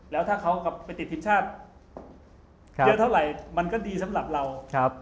แล้วถ้าเขากลับไปติดทีมชาติเยอะเท่าไหร่มันก็ดีสำหรับเรา